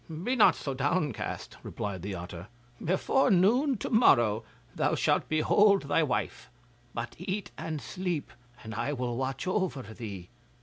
'Be not so downcast,' replied the otter; 'before noon to morrow thou shalt behold thy wife. But eat and sleep and I will watch over thee.